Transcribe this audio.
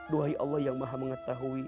duhai allah yang maha mengetahui